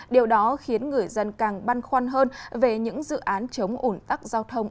điều đó khiến người dân càng băn khoăn hơn về những dự án chống ổn tắc giao thông